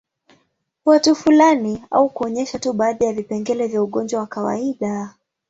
Watu fulani au kuonyesha tu baadhi ya vipengele vya ugonjwa wa kawaida